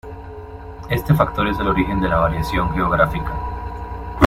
Este factor es el origen de la variación geográfica.